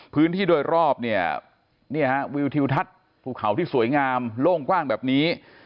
พื้นที่โดยรอบเนี่ยฮะวิวทิวทัศน์ภูเขาที่สวยงามโล่งกว้างแบบนี้